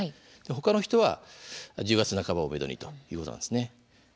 他の人は１０月半ばをめどにということなんですね。